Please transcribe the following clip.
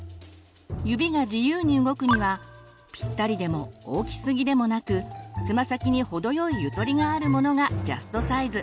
指が自由に動くにはぴったりでも大きすぎでもなくつま先に程よいゆとりがあるものがジャストサイズ。